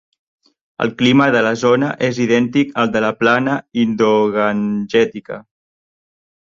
El clima de la zona és idèntic al de la plana indogangètica.